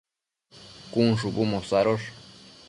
cun shubu mosadosh